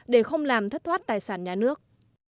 để không làm thất thoát tài sản nhà nước